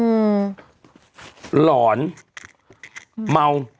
เมียเมา